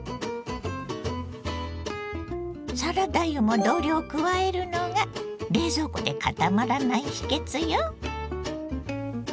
サラダ油も同量加えるのが冷蔵庫でかたまらない秘けつよ。